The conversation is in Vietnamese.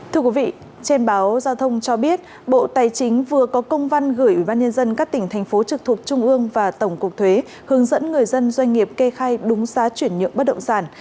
thưa quý vị trên báo giao thông cho biết bộ tài chính vừa có công văn gửi ubnd các tỉnh thành phố trực thuộc trung ương và tổng cục thuế hướng dẫn người dân doanh nghiệp kê khai đúng giá chuyển nhượng bất động sản